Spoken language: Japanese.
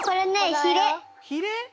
ひれ！？